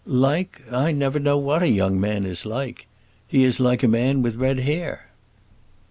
"Like I never know what a young man is like. He is like a man with red hair."